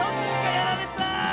やられた。